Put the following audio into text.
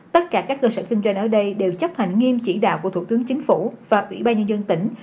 tất cả các cơ sở kinh doanh ở đây đều chấp hành nghiêm chỉ đạo của thủ tướng chính phủ và ủy ban nhân dân tỉnh